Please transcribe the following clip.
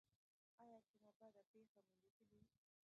ایا کومه بده پیښه مو لیدلې؟